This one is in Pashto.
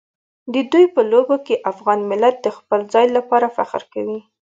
د دوی په لوبو کې افغان ملت د خپل ځای لپاره فخر کوي.